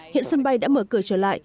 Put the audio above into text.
hiện sân bay đã mở cửa trở lại